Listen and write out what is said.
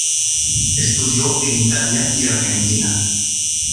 Estudió en Italia y Argentina.